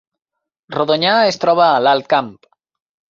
Rodonyà es troba a l’Alt Camp